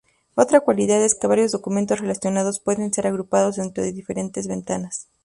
Otra cualidad es que varios documentos relacionados pueden ser agrupados dentro de diferentes ventanas.